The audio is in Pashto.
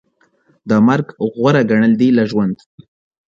دا مرګ غوره ګڼل دي له ژوند